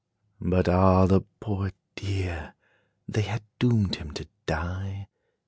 But ah, the poor deer! they had doomed him to die!